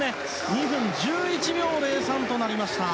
２分１１秒０３となりました。